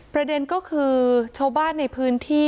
ประเด็นก็คือชาวบ้านในพื้นที่